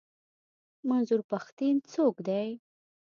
منظور پښتين څوک دی؟